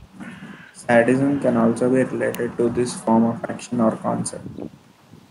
Sadism can also be related to this form of action or concept.